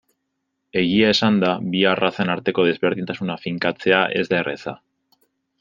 Egia esanda bi arrazen arteko desberdintasuna finkatzea ez da erreza.